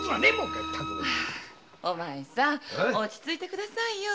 お前さん落ち着いて下さいよ。